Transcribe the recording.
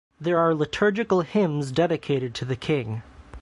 There are liturgical hymns dedicated to the king.